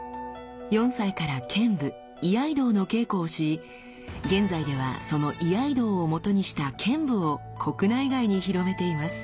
４歳から剣舞居合道の稽古をし現在ではその居合道をもとにした剣舞を国内外に広めています。